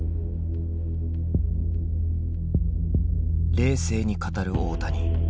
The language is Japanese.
冷静に語る大谷。